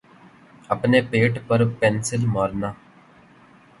پنے پیٹ پر پنسل مارنا